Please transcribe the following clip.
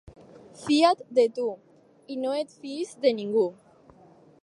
Fia't de tu, i no et fiïs de ningú.